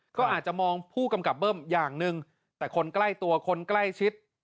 ก็อาจจะมองผู้กำกับเบิ้มอย่างหนึ่งแต่คนใกล้ตัวคนใกล้ชิด